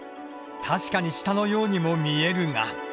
確かに舌のようにも見えるが。